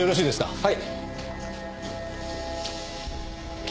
はい。